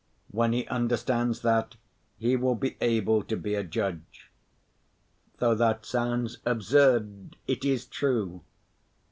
When he understands that, he will be able to be a judge. Though that sounds absurd, it is true.